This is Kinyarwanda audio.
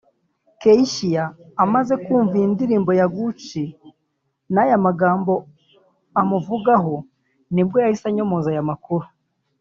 Keyshia amaze kumva iyi ndirimbo ya Gucci n’aya magambo amuvugaho nibwo yahise anyomoza aya makuru